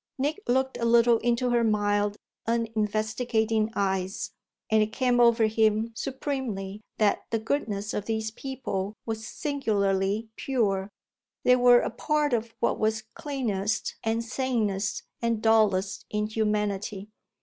Nick looked a little into her mild, uninvestigating eyes, and it came over him supremely that the goodness of these people was singularly pure: they were a part of what was cleanest and sanest and dullest in humanity.